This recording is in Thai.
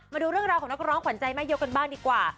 มาดูเรื่องราวของนักร้องขวัญใจแม่ยกกันบ้างดีกว่า